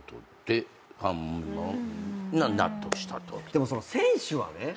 でもその選手はね。